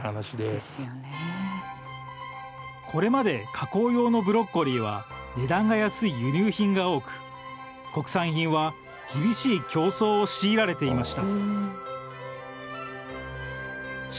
これまで加工用のブロッコリーは値段が安い輸入品が多く国産品は厳しい競争を強いられていました。